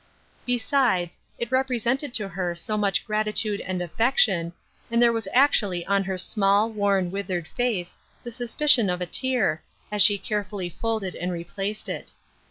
Besides, it represented to her so much gratitude and affection, and there was actually on her small, worn, withered face, the suspicion of a tear, as she carefully folded and replaced it.